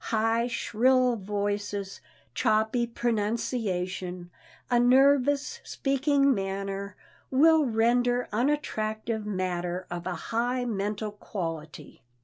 High shrill voices, choppy pronunciation, a nervous speaking manner will render unattractive matter of a high mental quality.